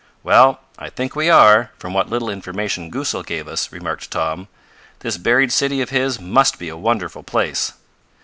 "Well, I think we are, from what little information Goosal gave us," remarked Tom. "This buried city of his must be a wonderful place."